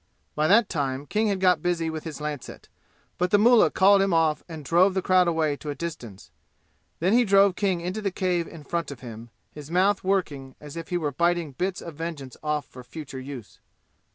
By that time King had got busy with his lancet, but the mullah called him off and drove the crowd away to a distance; then he drove King into the cave in front of him, his mouth working as if he were biting bits of vengeance off for future use.